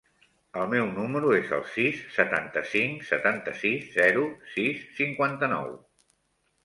El meu número es el sis, setanta-cinc, setanta-sis, zero, sis, cinquanta-nou.